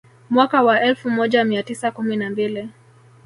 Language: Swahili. Mwaka wa elfu moja mia tisa kumi na mbili